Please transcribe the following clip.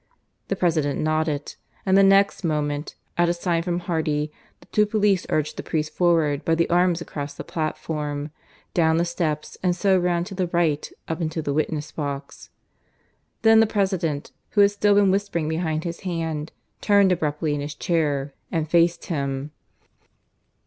The President nodded, and the next moment, at a sign from Hardy, the two police urged the priest forward by the arms across the platform, down the steps, and so round to the right up into the witness box. Then the President, who had still been whispering behind his hand, turned abruptly in his chair and faced him.